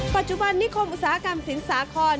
ปัจจุบันนิคมอุตสาหกรรมสินสาคร